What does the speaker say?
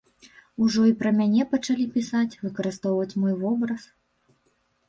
Ужо і пра мяне пачалі пісаць, выкарыстоўваць мой вобраз.